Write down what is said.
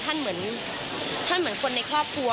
ท่านเหมือนคนในครอบครัว